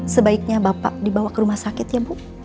sebaiknya bapak dibawa ke rumah sakit ya bu